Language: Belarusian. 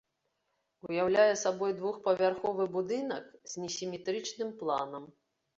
Уяўляе сабой двухпавярховы будынак, з несіметрычным планам.